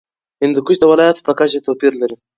هندوکش د ولایاتو په کچه توپیر لري.